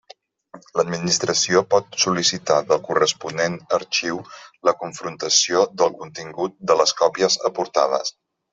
L'Administració pot sol·licitar del corresponent arxiu la confrontació del contingut de les còpies aportades.